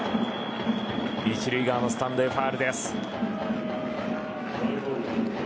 １塁側のスタンドへファウルです。